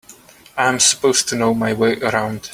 I'm supposed to know my way around.